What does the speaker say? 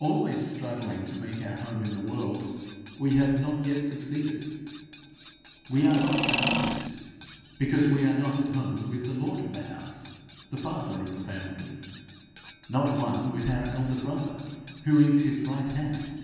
Always struggling to make our home in the world, we have not yet succeeded. We are not at home in it, because we are not at home with the lord of the house, the father of the family, not one with our elder brother who is his right hand.